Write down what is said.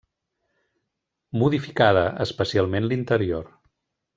Modificada, especialment l'interior.